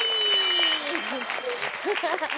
ハハハハ。